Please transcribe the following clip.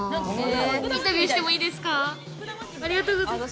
インタビューしてもいいですか？